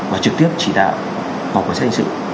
và trực tiếp chỉ đạo một quản sát hình sự